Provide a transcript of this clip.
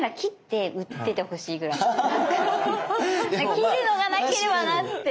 切るのがなければなって。